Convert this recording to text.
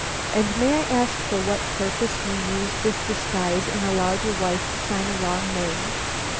"And may I ask for what purpose you used this disguise, and allowed your wife to sign a wrong name?"